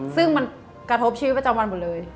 ซึ่งมันกระทบชีวิตประจำวันหมดเลย